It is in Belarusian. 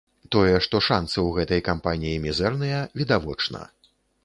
Тое, што шанцы ў гэтай кампаніі мізэрныя, відавочна.